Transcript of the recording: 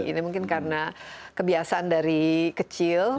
ini mungkin karena kebiasaan dari kecil